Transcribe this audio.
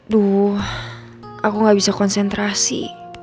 duh aku gak bisa konsentrasi